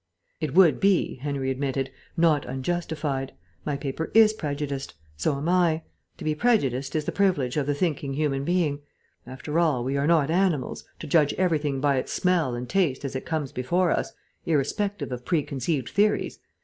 "It would be," Henry admitted, "not unjustified. My paper is prejudiced. So am I. To be prejudiced is the privilege of the thinking human being. After all, we are not animals, to judge everything by its smell and taste as it comes before us, irrespective of preconceived theories.